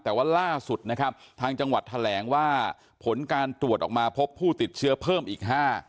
แต่ว่าล่าสุดนะครับทางจังหวัดแถลงว่าผลการตรวจออกมาพบผู้ติดเชื้อเพิ่มอีกห้า